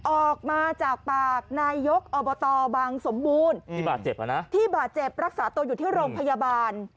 ออกมาจากปากนายกอบตบางสมบูรณ์ที่บาดเจ็บรักษาตัวอยู่ที่โรงพยาบาล